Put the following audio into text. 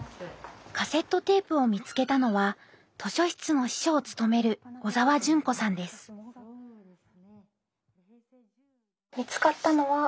カセットテープを見つけたのは図書室の司書を務める見つかったのは。